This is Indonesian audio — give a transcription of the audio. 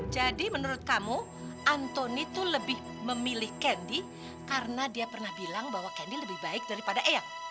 jadi menurut kamu antoni tuh lebih memilih candy karena dia pernah bilang bahwa candy lebih baik daripada eyang